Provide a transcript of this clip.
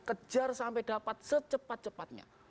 kejar sampai dapat secepat cepatnya